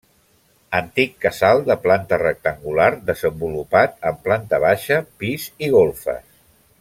Antic casal de planta rectangular desenvolupat en planta baixa, pis i golfes.